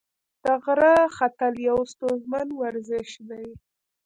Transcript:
د غره ختل یو ستونزمن ورزش دی.